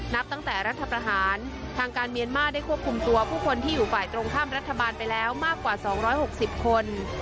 นับตั้งแต่รัฐประหารทางการเมียนมาร์ได้ควบคุมตัวผู้คนที่อยู่ฝ่ายตรงข้ามรัฐบาลไปแล้วมากกว่า๒๖๐คน